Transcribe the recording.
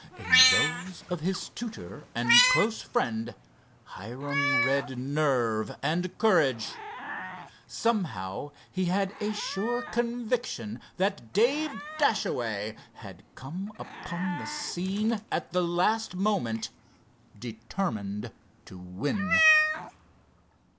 In those of his tutor, and close friend, Hiram read nerve and courage. Somehow, he had a sure conviction that Dave Dashaway had come upon the scene at the last moment determined to win.